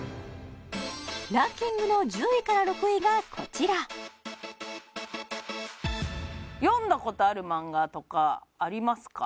ランキングの１０位から６位がこちら読んだことある漫画とかありますか？